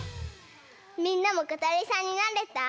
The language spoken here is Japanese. みんなもことりさんになれた？